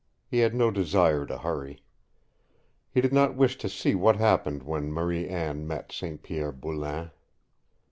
He had no desire to hurry. He did not wish to see what happened when Marie Anne met St. Pierre Boulain.